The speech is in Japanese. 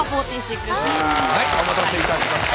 はいお待たせいたしました。